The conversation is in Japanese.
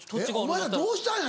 お前らどうしたんや？